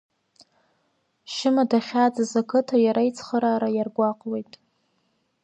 Шьыма дахьааӡаз ақыҭа иара ицхыраара иаргәаҟуеит.